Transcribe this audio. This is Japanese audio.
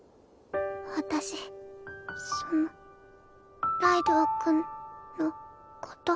私そのライドウ君のこと。